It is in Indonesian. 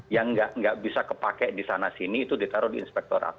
yang nggak bisa kepake di sana sini itu ditaruh di inspektorat